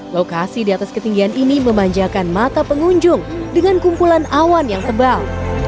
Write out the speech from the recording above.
lokasi di atas ketinggian ini memanjakan mata pengunjung dengan kumpulan awan yang tebal